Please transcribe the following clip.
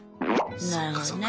なるほどね。